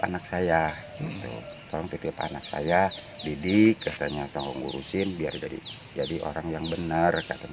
anak saya itu tongkit anak saya didik tanya ke guru simbiar jadi jadi orang yang bener katanya